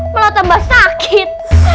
malah tambah sakit